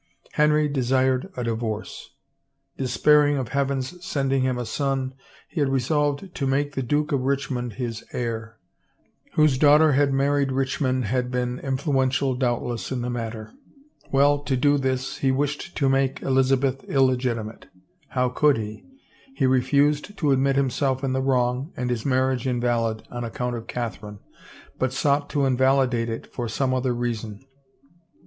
Henry de sired a divorce. Despairing of Heaven's sending him a son, he had resolved to make the Duke of Richmond his heir — Norfolk, whose daughter had married Rich mond had been influential doubtless in the matter. Well, to do this, he wished to make Elizabeth illegitimate. How could he? He refused to admit himself in the wrong and his marriage invalid on account of Catherine, but sought to invalidate it for some other reason.